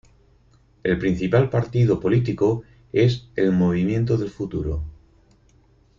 El principal partido político es el Movimiento del Futuro.